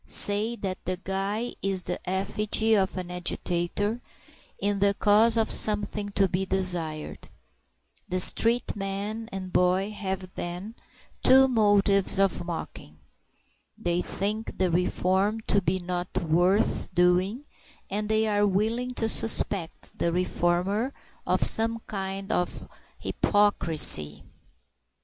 Say that the guy is the effigy of an agitator in the cause of something to be desired; the street man and boy have then two motives of mocking: they think the reform to be not worth doing, and they are willing to suspect the reformer of some kind of hypocrisy.